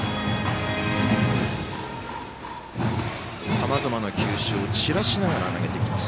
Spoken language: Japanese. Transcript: さまざまな球種を散らしながら投げてきます。